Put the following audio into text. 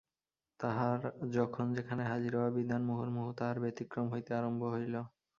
তাহার যখন যেখানে হাজির হওয়া বিধান, মুহুর্মুহু তাহার ব্যতিক্রম হইতে আরম্ভ হইল।